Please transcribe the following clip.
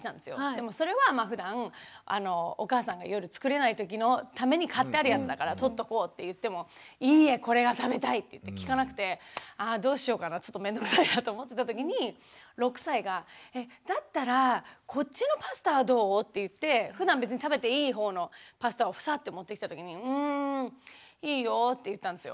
でもそれはふだんお母さんが夜作れないときのために買ってあるやつだから取っとこうって言っても「いいえこれが食べたい」って言って聞かなくてあどうしようかなちょっと面倒くさいなと思ってたときに６歳が「えっだったらこっちのパスタはどう？」って言ってふだん別に食べていいほうのパスタをサッて持ってきたときに「うんいいよ」って言ったんですよ。